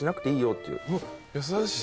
優しい。